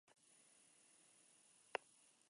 Se sitúa en la parte occidental del país.